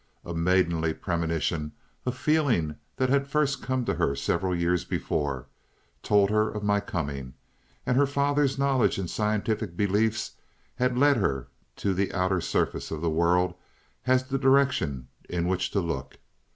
A maidenly premonition, a feeling that had first come to her several years before, told her of my coming, and her father's knowledge and scientific beliefs had led her to the outer surface of the world as the direction in which to look.